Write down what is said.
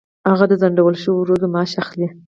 هغه د ځنډول شوو ورځو معاش اخلي.